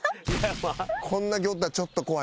こんだけおったらちょっと怖いな。